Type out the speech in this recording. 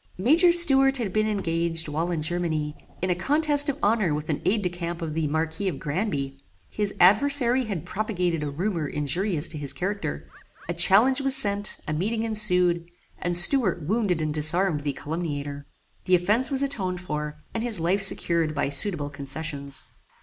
Major Stuart had been engaged, while in Germany, in a contest of honor with an Aid de Camp of the Marquis of Granby. His adversary had propagated a rumour injurious to his character. A challenge was sent; a meeting ensued; and Stuart wounded and disarmed the calumniator. The offence was atoned for, and his life secured by suitable concessions.